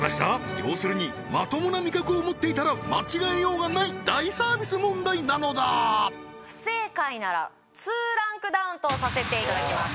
要するにまともな味覚を持っていたら間違えようがない大サービス問題なのだ不正解なら２ランクダウンとさせていただきます